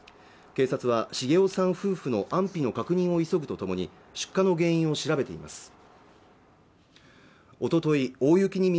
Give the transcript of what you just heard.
警察は重雄さん夫婦の安否の確認を急ぐとともに出火の原因を調べています